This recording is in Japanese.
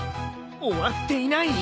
終わっていない。